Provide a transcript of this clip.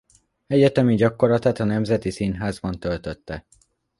Egyetemi gyakorlatát a Nemzeti Színházban töltötte.